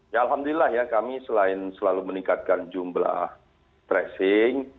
ya alhamdulillah ya kami selain selalu meningkatkan jumlah tracing